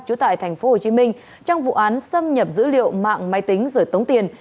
trú tại tp hcm trong vụ án xâm nhập dữ liệu mạng máy tính rồi tống tiền